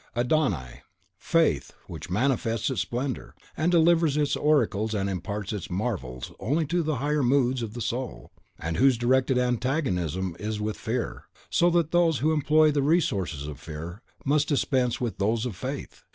AIDON AI: FAITH, which manifests its splendour, and delivers its oracles, and imparts its marvels, only to the higher moods of the soul, and whose directed antagonism is with Fear; so that those who employ the resources of Fear must dispense with those of Faith.